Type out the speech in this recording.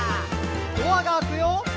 「ドアが開くよ」